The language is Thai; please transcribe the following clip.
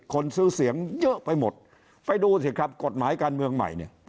คนซื้อเสียงเยอะไปหมดไปดูสิครับกฎหมายการเมืองใหม่เนี่ย